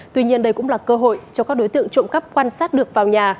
tuy nhiên đây cũng là cơ hội cho các đối tượng trộm cắp quan sát được vào nhà